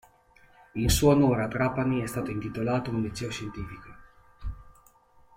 In suo onore a Trapani è stato intitolato un liceo scientifico.